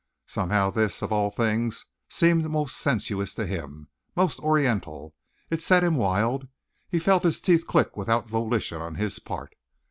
Somehow this, of all things, seemed most sensuous to him most oriental. It set him wild. He felt his teeth click without volition on his part.